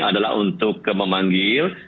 adalah untuk memanggil